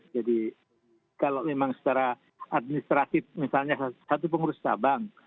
jadi kalau memang secara administrasi misalnya satu pengurus tabang